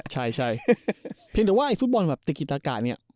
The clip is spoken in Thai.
ใช่เพียงแต่ว่าไอ้ฟุตบอลแบบตะกิตะกะเนี่ย